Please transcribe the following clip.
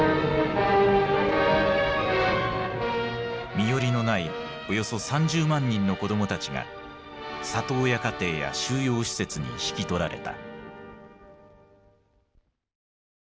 身寄りのないおよそ３０万人の子どもたちが里親家庭や収容施設に引き取られた。